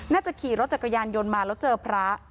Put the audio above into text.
น่าจะขี่รถจักรยานยนต์มาแล้วเจอพระ